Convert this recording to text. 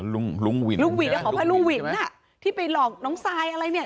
ลุงลุงวินลุงวินอ่ะของพระลุงวินอ่ะที่ไปหลอกน้องซายอะไรเนี่ย